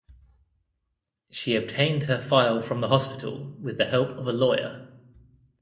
She obtained her file from the hospital with the help of a lawyer.